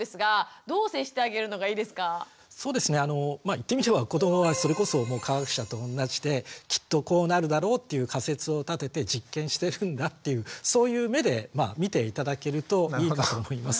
言ってみれば子どもはそれこそ科学者とおんなじできっとこうなるだろうっていう仮説を立てて実験してるんだっていうそういう目で見て頂けるといいかと思います。